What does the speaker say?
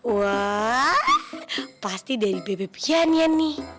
wah pasti dari bebe pian ya nih